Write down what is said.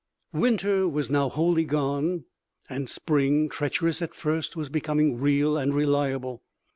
Winter was now wholly gone and spring, treacherous at first, was becoming real and reliable.